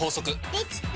できた！